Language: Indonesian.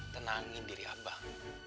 tenangin diri abang